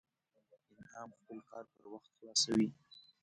انعام خپل کار پر وخت خلاصوي